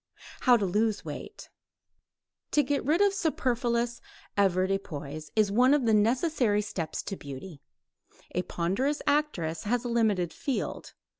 HOW TO LOSE WEIGHT To get rid of superfluous avoirdupois is one of the necessary steps to beauty. A ponderous actress has a limited field.